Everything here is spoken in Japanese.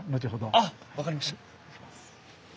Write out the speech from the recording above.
あっ分かりました。